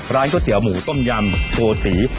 ร้านก๋วยเตี๋ยวหมูต้มยำโกติ